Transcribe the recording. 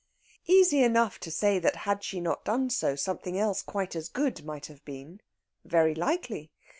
Easy enough to say that, had she not done so, something else quite as good might have been. Very likely.